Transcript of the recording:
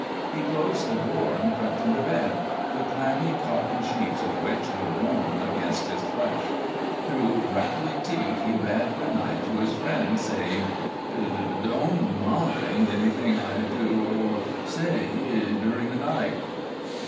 He closed the door and crept into bed, the clammy cotton sheets of which were warm against his flesh. Through rattling teeth he bade good night to his friend, saying: "D don't mind anything I do or say during the night."